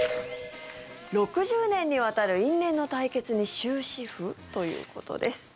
６０年にわたる因縁の対決に終止符！？ということです。